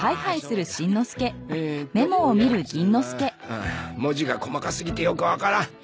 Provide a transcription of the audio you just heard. うーん文字が細かすぎてよくわからん。